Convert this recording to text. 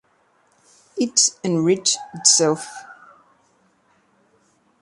It enriched itself.